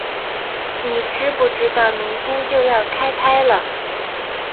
你知不知道明天就要开拍了